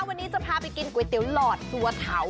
วันนี้จะพาไปกินก๋วยเตี๋ยวหลอดตัวเถา